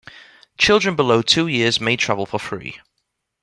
Children below two years may travel for free.